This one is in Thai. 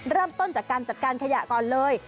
เริ่มต้นจากการจัดการขยะก่อนเลย